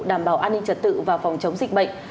đảm bảo an ninh trật tự và phòng chống dịch bệnh